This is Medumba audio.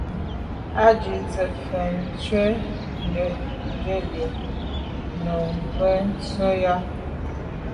Á jíìt sə́ vhə̀ə́ thúvʉ́ dlíj Nùŋgɛ̀ kɛ́ɛ̀ á.